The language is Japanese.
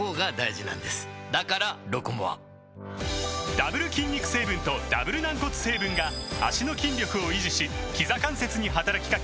ダブル筋肉成分とダブル軟骨成分が脚の筋力を維持しひざ関節に働きかけ